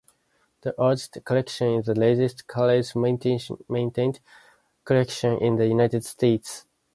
The orchid collection is the largest college maintained collection in the United States.